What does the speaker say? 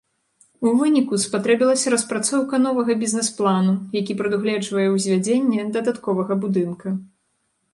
У выніку спатрэбілася распрацоўка новага бізнэс-плану, які прадугледжвае ўзвядзенне дадатковага будынка.